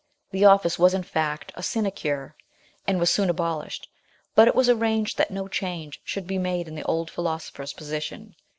The office was in fact a sinecure, and was soon abolished ; but it was arranged that no change should be made in the old philosopher's position.